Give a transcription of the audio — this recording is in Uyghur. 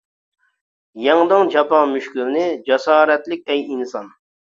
يەڭدىڭ جاپا مۈشكۈلنى، جاسارەتلىك ئەي ئىنسان.